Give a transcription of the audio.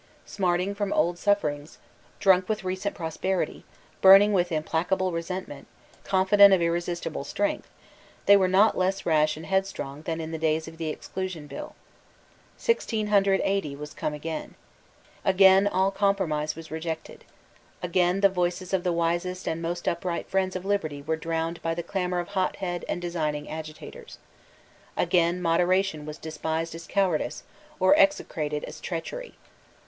Smarting from old sufferings, drunk with recent prosperity, burning with implacable resentment, confident of irresistible strength, they were not less rash and headstrong than in the days of the Exclusion Bill. Sixteen hundred and eighty was come again. Again all compromise was rejected. Again the voices of the wisest and most upright friends of liberty were drowned by the clamour of hotheaded and designing agitators. Again moderation was despised as cowardice, or execrated as treachery.